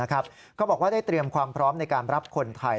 ก็บอกว่าได้เตรียมความพร้อมในการรับคนไทย